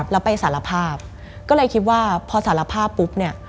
แล้วไปสารภาพก็เลยคิดว่าพอสารภาพปุ๊บเนี่ย